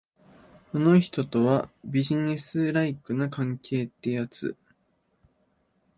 あの人とは、ビジネスライクな関係ってやつ。